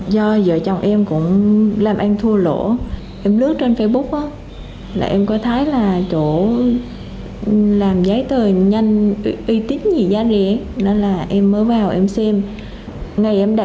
do vợ chồng em cũng làm em thua lỗ em lướt trên facebook là em có thấy là chỗ làm giấy tờ nhanh uy tín gì giá liền nên là em mới vào em xem